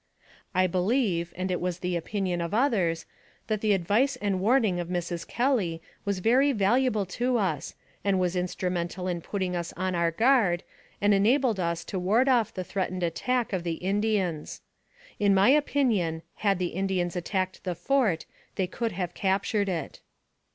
I believe, and it was the opinion of others, that the advice and warning of Mrs. Kelly was very valuable to us, and was instrumental in putting us on our guard, and enabled us to ward off the threatened attack of the Indians. In my opinion, had the Indians attacked the fort, they could have captured it.